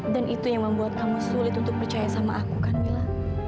dan itu yang membuat kamu sulit untuk percaya sama aku kan mila